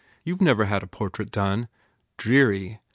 You ve never had a portrait done? Dreary.